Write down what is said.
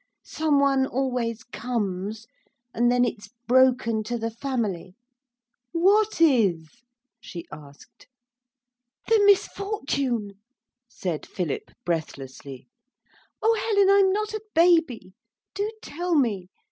Some one always comes and then it's broken to the family.' 'What is?' she asked. 'The misfortune,' said Philip breathlessly. 'Oh, Helen, I'm not a baby. Do tell me!